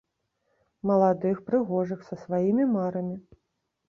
Маладых, прыгожых, са сваімі марамі.